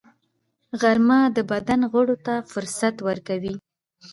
غرمه د بدن غړو ته فرصت ورکوي